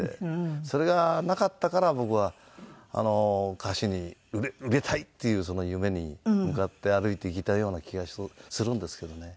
それがなかったから僕は歌手に売れたいっていうその夢に向かって歩いていけたような気がするんですけどね。